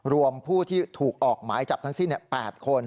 ผู้ที่ถูกออกหมายจับทั้งสิ้น๘คน